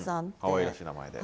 かわいらしい名前で。